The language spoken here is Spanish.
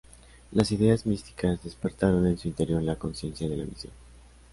Las ideas místicas despertaron en su interior la conciencia de la misión.